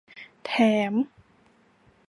แถม